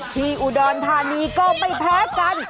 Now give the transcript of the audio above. ที่อุดรธานีก็ไม่แพ้กัน